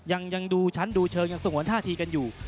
ยังดูชั้นดูเชิงยังสงวนท่าทีกันอยู่